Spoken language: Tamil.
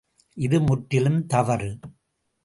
இது முற்றிலும் தவறு.